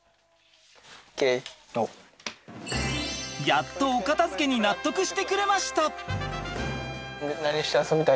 やっとお片づけに納得してくれました。